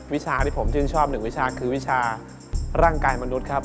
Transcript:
วิชาที่ผมชื่นชอบหนึ่งวิชาคือวิชาร่างกายมนุษย์ครับ